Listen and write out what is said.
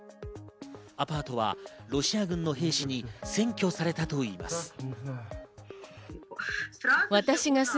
アパートはロシア軍の兵士に占拠されたといいます。